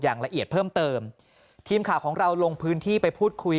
อย่างละเอียดเพิ่มเติมทีมข่าวของเราลงพื้นที่ไปพูดคุย